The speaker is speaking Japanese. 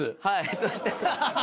はい。